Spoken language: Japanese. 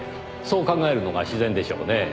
そう考えるのが自然でしょうねぇ。